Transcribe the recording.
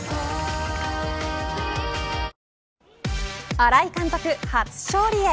新井監督初勝利へ。